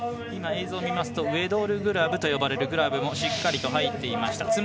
映像を見ますとウェドルグラブと呼ばれるグラブもしっかりと入っていました。